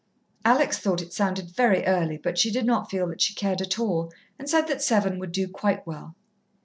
Alex thought it sounded very early, but she did not feel that she cared at all, and said that seven would do quite well.